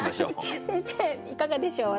先生いかがでしょう？